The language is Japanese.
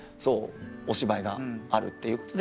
お芝居があるってことで。